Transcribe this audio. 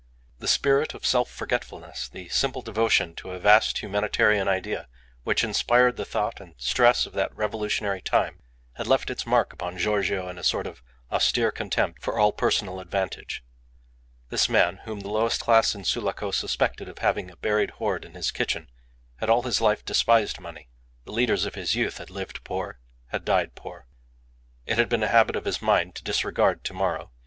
The spirit of self forgetfulness, the simple devotion to a vast humanitarian idea which inspired the thought and stress of that revolutionary time, had left its mark upon Giorgio in a sort of austere contempt for all personal advantage. This man, whom the lowest class in Sulaco suspected of having a buried hoard in his kitchen, had all his life despised money. The leaders of his youth had lived poor, had died poor. It had been a habit of his mind to disregard to morrow.